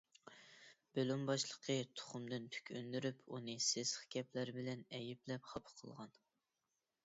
بۆلۈم باشلىقى تۇخۇمدىن تۈك ئۈندۈرۈپ، ئۇنى سېسىق گەپلەر بىلەن ئەيىبلەپ خاپا قىلغان.